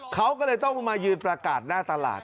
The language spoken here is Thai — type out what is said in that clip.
เขาก็เลยต้องมายืนประกาศหน้าตลาด